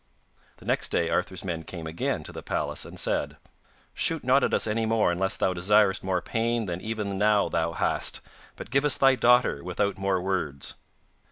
The next day Arthur's men came again to the palace and said: 'Shoot not at us any more unless thou desirest more pain than even now thou hast, but give us thy daughter without more words.